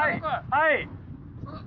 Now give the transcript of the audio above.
はい。